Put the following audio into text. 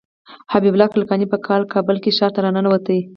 حبیب الله کلکاني په کال کې کابل ښار ته راننوت.